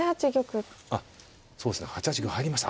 あっそうですね８八玉入りました。